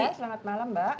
iya selamat malam mbak